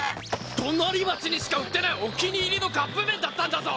隣町にしか売ってないお気に入りのカップ麺だったんだぞ！